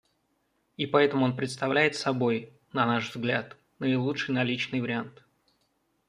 И поэтому он представляет собой, на наш взгляд, наилучший наличный вариант.